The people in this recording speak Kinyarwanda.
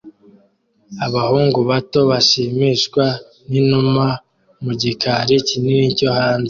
Abahungu bato bashimishwa n'inuma mu gikari kinini cyo hanze